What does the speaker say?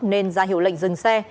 nên ra hiệu lệnh dừng xe